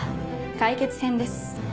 解決編です。